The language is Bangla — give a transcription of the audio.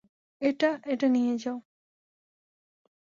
এটা, এটা নিয়ে যাও।